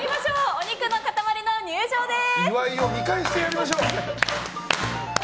お肉の塊の入場です！